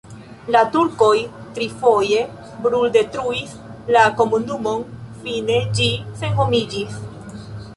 La turkoj trifoje bruldetruis la komunumon, fine ĝi senhomiĝis.